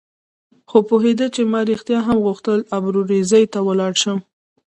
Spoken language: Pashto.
خو پوهېده چې ما رښتیا هم غوښتل ابروزي ته ولاړ شم.